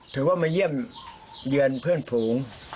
ถือว่ามาเยี่ยมเยือนเพื่อนฝูง